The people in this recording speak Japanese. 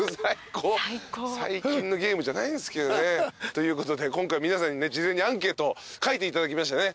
最近のゲームじゃないんすけどね。ということで今回皆さんに事前にアンケート書いていただきましたね。